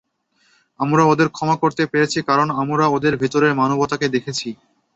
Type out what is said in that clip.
আমরা ওদের ক্ষমা করতে পেরেছি, কারণ আমরা ওদের ভেতরের মানবতাকে দেখেছি।